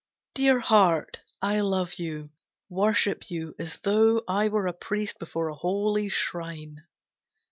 Dear Heart, I love you, worship you as though I were a priest before a holy shrine.